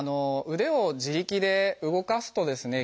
腕を自力で動かすとですね